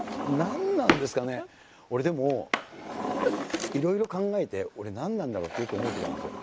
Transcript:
俺でもいろいろ考えて俺何なんだろう？ってよく思うときあるんですよ。